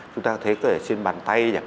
chúng ta thấy trên bàn tay